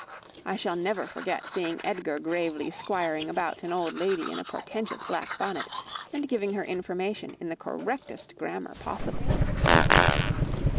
I shall never forget seeing Edgar gravely squiring about an old lady in a portentous black bonnet, and giving her information in the correctest grammar possible."